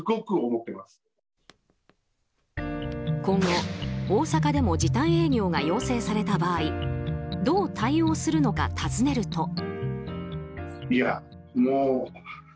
今後、大阪でも時短営業が要請された場合どう対応するのか尋ねると。